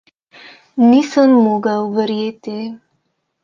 Nisem mogel verjeti.